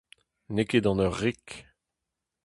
N'eo ket an eur rik.